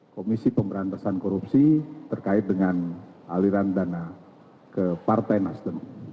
komisi pemberantasan korupsi terkait dengan aliran dana ke partai nasdem